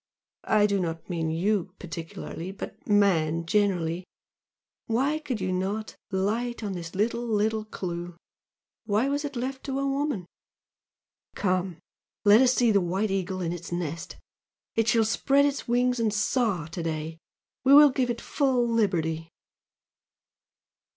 I do not mean YOU particularly, but man generally! why could you not light on this little, little clue! why was it left to a woman! Come! let us see the White Eagle in its nest, it shall spread its wings and soar to day we will give it full liberty!"